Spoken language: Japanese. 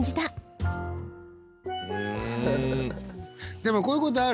でもこういうことある？